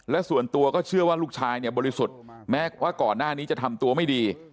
และส่วนตัวก็เชื่อว่าลูกชายเนี่ยบริสุทธิ์แม้ว่าก่อนหน้านี้จะทำตัวไม่ดี